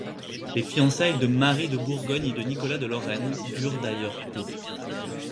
Les fiançailles de Marie de Bourgogne et de Nicolas de Lorraine durent d'ailleurs peu.